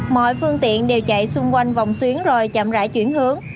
các chiến tiện đều chạy xung quanh vòng xuyến rồi chậm rãi chuyển hướng